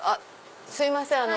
すいません